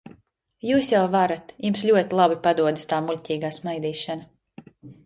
Jūs jau varat, jums ļoti labi padodas tā muļķīgā smaidīšana.